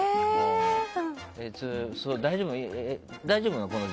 大丈夫なの？